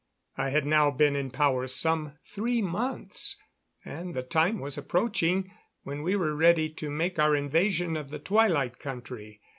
I had now been in power some three months, and the time was approaching when we were ready to make our invasion of the Twilight Country.